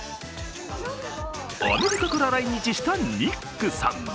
アメリカから来日したニックさん。